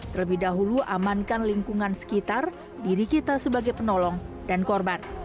terlebih dahulu amankan lingkungan sekitar diri kita sebagai penolong dan korban